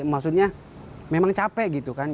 maksudnya memang capek gitu kan